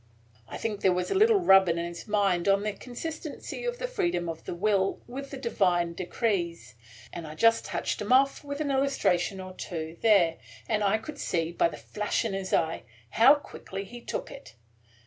I think there was a little rub in his mind on the consistency of the freedom of the will with the divine decrees and I just touched him off with an illustration or two there, and I could see, by the flash of his eye, how quickly he took it.